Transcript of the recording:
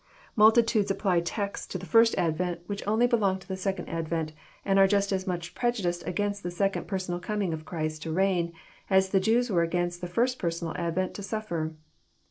Multitudes apply texts to the first advent which only belong to the second advent, and are Just as much prejudiced against the second personal coming of Christ to reign, as the Jews were against the first personal advent to suffer.